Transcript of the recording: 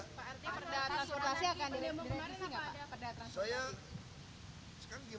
pak arti perda transportasi akan diberi isi nggak pak